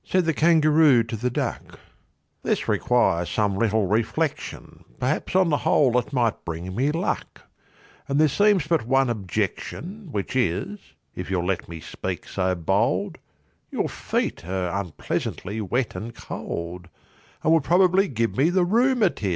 Said the Kangaroo to the Duck, "This requires some little reflection; Perhaps on the whole it might bring me luck, And there seems but one objection, Which is, if you'll let me speak so bold, Your feet are unpleasantly wet and cold, And would probably give me the roo Matiz!"